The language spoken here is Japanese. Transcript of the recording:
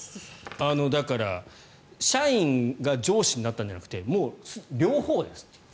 だから、社員が上司になったんじゃなくてもう両方です。